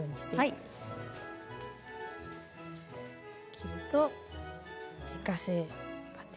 切ると自家製パテ。